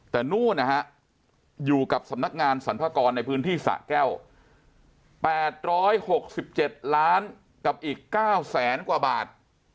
แต่นู่นนะฮะอยู่กับสำนักงานสรรพากรในพื้นที่สะแก้ว๘๖๗ล้านกับอีก๙แสนกว่าบาท